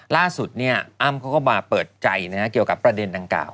ล่าสุดอ้ำเขาก็มาเปิดใจเกี่ยวกับประเด็นดังกล่าว